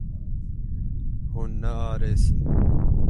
Hûn naarêsin.